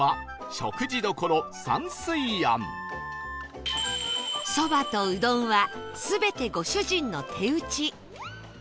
蕎麦とうどんは全てご主人の手打ち